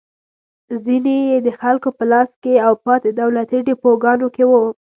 ځینې یې د خلکو په لاس کې او پاتې دولتي ډېپوګانو کې وو.